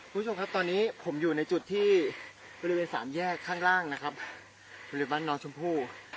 ผู้ชมครับตอนนี้ผมอยู่ในจุดที่มีเป็นสามแยกข้างล่างนะครับเป็นบ้านนอชมพู่